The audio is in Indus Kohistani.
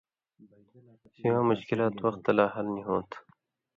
سِواں مشکلات وختہ لا حل نی ہوں تھو